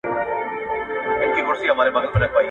څاڅکی ومه ورک سوم پیمانې را پسي مه ګوره ,